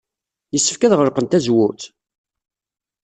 Yessefk ad ɣelqen tazewwut?